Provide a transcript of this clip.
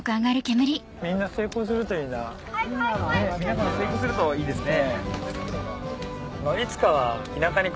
皆さん成功するといいですね。